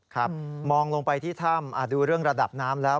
ครับมองลงไปที่ถ้ำดูเรื่องระดับน้ำแล้ว